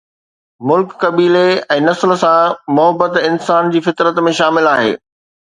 ملڪ، قبيلي ۽ نسل سان محبت انسان جي فطرت ۾ شامل آهي.